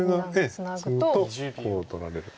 ツグとこう取られると。